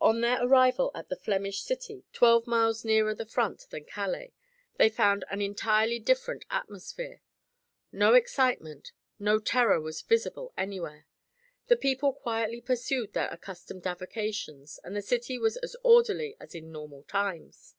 On their arrival at the Flemish city twelve miles nearer the front than Calais they found an entirely different atmosphere. No excitement, no terror was visible anywhere. The people quietly pursued their accustomed avocations and the city was as orderly as in normal times.